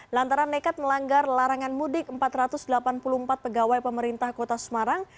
lantaran nekat melanggar larangan mudik empat ratus delapan puluh empat pegawai pemerintah kota semarang